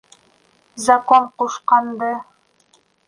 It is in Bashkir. Закон ҡушҡанды...